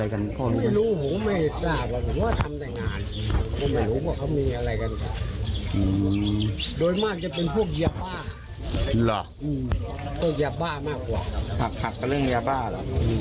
หักก็เรื่องยาบ้าหรอ